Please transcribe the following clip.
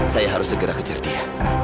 saya harus segera kejar dia